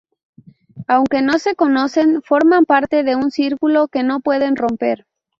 Aunque no se conocen forman parte de un círculo que no pueden romper.